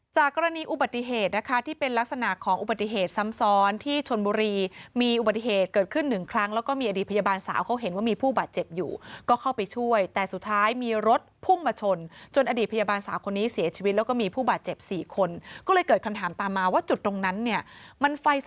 กรณีอุบัติเหตุนะคะที่เป็นลักษณะของอุบัติเหตุซ้ำซ้อนที่ชนบุรีมีอุบัติเหตุเกิดขึ้นหนึ่งครั้งแล้วก็มีอดีตพยาบาลสาวเขาเห็นว่ามีผู้บาดเจ็บอยู่ก็เข้าไปช่วยแต่สุดท้ายมีรถพุ่งมาชนจนอดีตพยาบาลสาวคนนี้เสียชีวิตแล้วก็มีผู้บาดเจ็บ๔คนก็เลยเกิดคำถามตามมาว่าจุดตรงนั้นเนี่ยมันไฟส